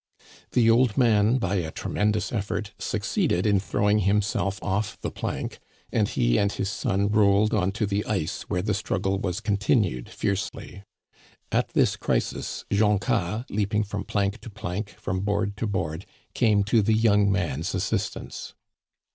The old man, by a tremendous effort, succeeded in throwing himself off the plank, and he and his son rolled on to the ice, where the struggle was continued fiercely. At this crisis, Joncas, leaping from plank to plank, from board to board, came to the young man's assistance.